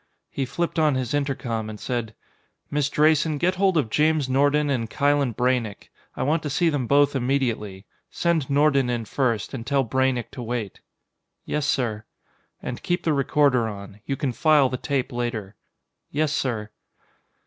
He flipped on his intercom and said: "Miss Drayson, get hold of James Nordon and Kylen Braynek. I want to see them both immediately. Send Nordon in first, and tell Braynek to wait." "Yes, sir." "And keep the recorder on. You can file the tape later." "Yes, sir."